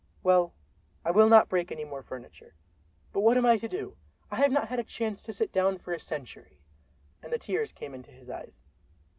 "Well, I will not break any more furniture. But what am I to do? I have not had a chance to sit down for a century." And the tears came into his eyes.